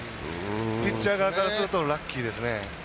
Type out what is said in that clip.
ピッチャー側からするとラッキーですね。